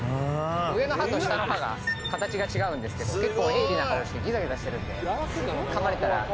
上の歯と下の歯が形が違うんですけど鋭利な歯をしてギザギザしてるんでかまれたら。